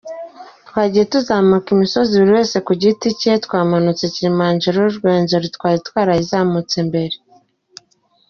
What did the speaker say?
Twagiye tuzamuka imisozi buri muntu ku giti cye, twazamutse Kilimanjaro, Rwenzori twari twarayizamutse mbere.